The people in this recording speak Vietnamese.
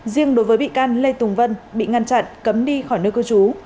riêng đối với bị can lê tùng vân bị ngăn chặn cấm đi khỏi nơi cư trú